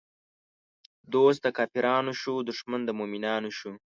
دوست د کافرانو شو، دښمن د مومنانو شو